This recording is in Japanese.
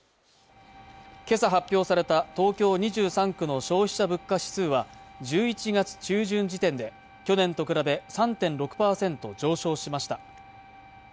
今朝発表された東京２３区の消費者物価指数は１１月中旬時点で去年と比べ３．６％上昇しました